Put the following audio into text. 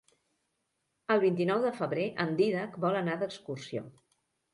El vint-i-nou de febrer en Dídac vol anar d'excursió.